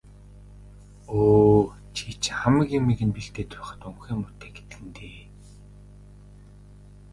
Өө, чи чинь хамаг юмыг нь бэлдээд байхад унхиа муутай гэдэг нь дээ.